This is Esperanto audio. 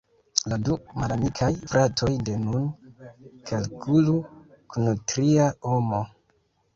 La du malamikaj fratoj de nun kalkulu kun tria homo.